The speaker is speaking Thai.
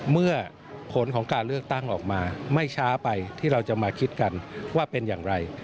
เมื่อผลของการเลือกตั้งออกมาไม่ช้าไปที่เราจะมาคิดกันว่าเป็นอย่างไร